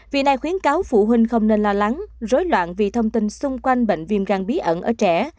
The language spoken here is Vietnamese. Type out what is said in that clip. vì này khuyến cáo phụ huynh không nên lo lắng rối loạn vì thông tin xung quanh bệnh viêm gan bí ẩn ở trẻ